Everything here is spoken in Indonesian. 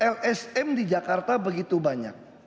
lsm di jakarta begitu banyak